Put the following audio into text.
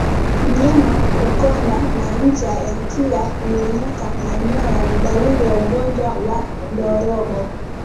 Mnyama kukonda na ncha ya mkia kunyonyoka manyoya ni dalili ya ugonjwa wa ndorobo